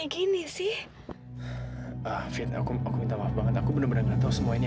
kamu malah tidur sama cowok ini